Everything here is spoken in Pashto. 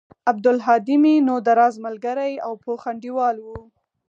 عبدالهادى مې نو د راز ملگرى او پوخ انډيوال و.